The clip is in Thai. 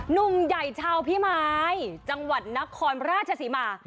นุ่มใหญ่ชาวพี่ไม้จังหวัดนครราชสิมา